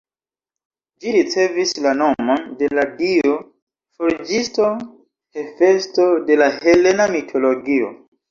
Ĝi ricevis la nomon de la dio forĝisto Hefesto, de la helena mitologio.